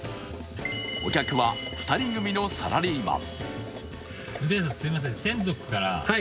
お客は、２人組のサラリーマン。